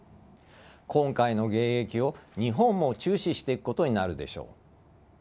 今回の迎撃を、日本も注視していくことになるでしょう。